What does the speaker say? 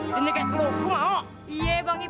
dinyekit lu lu mau